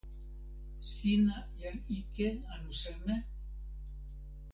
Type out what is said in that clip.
sina jan ike anu seme?